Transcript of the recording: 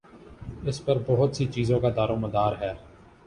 اس پر بہت سی چیزوں کا دارومدار ہے۔